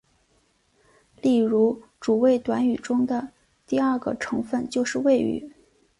例如主谓短语中的第二个成分就是谓语。